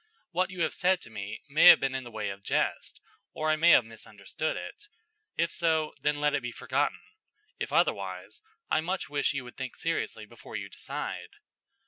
What you have said to me may have been in the way of jest, or I may have misunderstood it. If so, then let it be forgotten; if otherwise, I much wish you would think seriously before you decide.